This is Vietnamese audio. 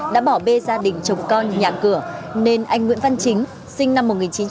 đã bỏ bê gia đình chồng con nhà cửa nên anh nguyễn văn chính sinh năm một nghìn chín trăm tám mươi